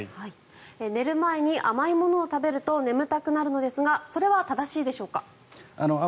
寝る前に甘いものを食べると眠くなるんですがそれは正しいでしょうか？